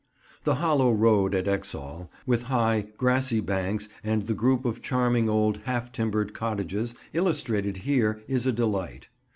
The hollow road at Exhall, with high, grassy banks and the group of charming old half timbered cottages illustrated here is a delight.